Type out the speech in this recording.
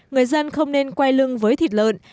người dân không nên quay lưng với thịt lợn